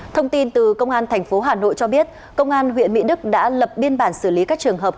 thông tin từ công an tp hà nội cho biết công an huyện mỹ đức đã lập biên bản xử lý các trường hợp